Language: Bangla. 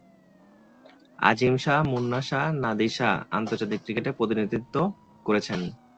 আজিম শাহ্, মুন্না শাহ্ ও নাদির শাহ আন্তর্জাতিক ক্রিকেটে প্রতিনিধিত্ব করেছেন।